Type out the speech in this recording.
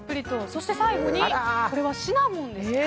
そして最後にシナモンですか。